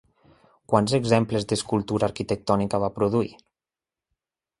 Quants exemples d'escultura arquitectònica va produir?